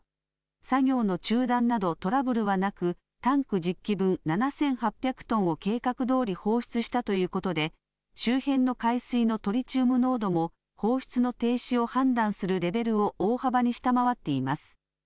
作業の中断などトラブルはなくタンク１０基分７８００トンを計画どおり放出したということで周辺の海水のトリチウム濃度も放出の停止を判断するレベルを大幅に下回っています。